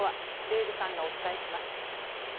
デーブさんがお伝えします。